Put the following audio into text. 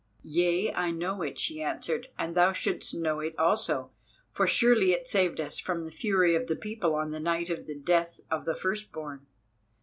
"Yea, I know it," she answered; "and thou shouldst know it also, for surely it saved us from the fury of the people on the night of the death of the first born.